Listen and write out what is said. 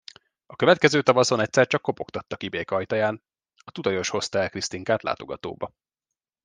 A következő tavaszon egyszer csak kopogtattak Ibék ajtaján: a tutajos hozta el Krisztinkát látogatóba.